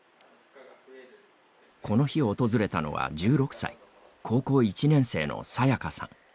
この日、訪れたのは１６歳高校１年生のさやかさん。